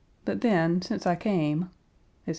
But, then, since I came," etc.